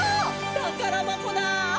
たからばこだ！